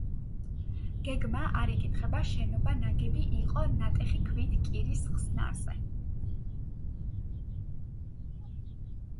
გეგმა არ იკითხება, შენობა ნაგები იყო ნატეხი ქვით კირის ხსნარზე.